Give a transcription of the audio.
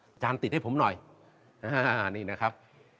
อาจารย์ติดให้ผมหน่อยนี่นะครับ